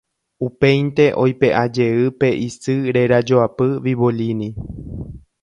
Upéinte oipeʼajey pe isy rerajoapy Bibolini.